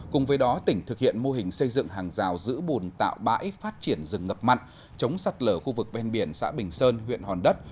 cùng với đó tỉnh thực hiện mô hình xây dựng hàng rào giữ bùn tạo bãi phát triển rừng ngập mặn chống sạt lở khu vực ven biển xã bình sơn huyện hòn đất